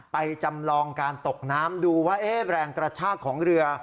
จำลองการตกน้ำดูว่าแรงกระชากของเรือ